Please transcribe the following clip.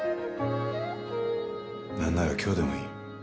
なんなら今日でもいい。